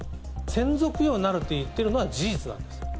先祖供養になると言ってるのは事実なんです。